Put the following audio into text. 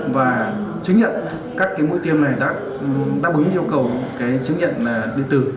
và chứng nhận các cái mũi tiêm này đã đáp ứng yêu cầu cái chứng nhận địa tử